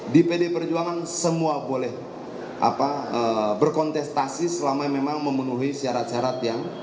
di pd perjuangan semua boleh berkontestasi selama memang memenuhi syarat syarat yang